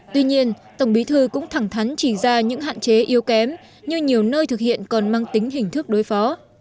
tuy nhiên tổng bí thư cũng thẳng thắn chỉ ra những hạn chế yếu kém như nhiều nơi thực hiện còn mang tính hình thức đối phó